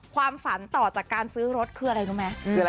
ความฝันต่อจากการซื้อรถคืออะไรรู้ไหม